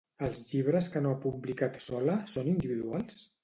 Els llibres que no ha publicat sola són individuals?